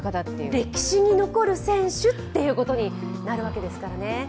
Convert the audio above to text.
歴史に残る選手ということになるわけですからね。